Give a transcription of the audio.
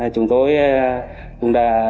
chúng tôi cũng đã